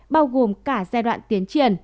bao gồm cả giai đoạn tiến triển